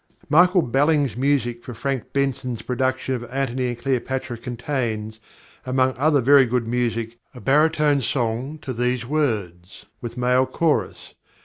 +Michael Balling's+ music for Frank Benson's production of Antony and Cleopatra contains, among other very good music, a baritone song to these words, with male chorus.